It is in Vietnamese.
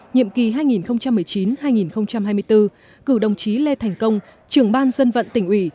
nhiệm kỳ hai nghìn một mươi chín hai nghìn hai mươi bốn cử đồng chí lê thành công trưởng ban dân vận tỉnh ủy